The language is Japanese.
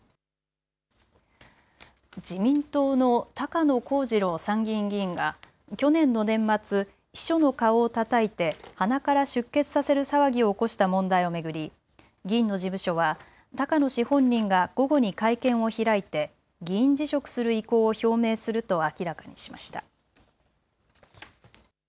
自民党の高野光二郎参議院議員が去年の年末、秘書の顔をたたいて鼻から出血させる騒ぎを起こした問題を巡り議員の事務所は高野氏本人が午後に会見を開いて議員辞職する意向を表明すると明らかにしました。